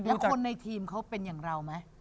แล้วคนในทีมเขาเป็นอย่างเราไหม